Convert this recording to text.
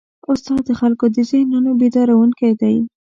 استاد د خلکو د ذهنونو بیدارونکی دی.